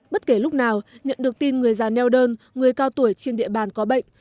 bất kể lúc nào nhận được tin người già neo đơn người cao tuổi trên địa bàn có bệnh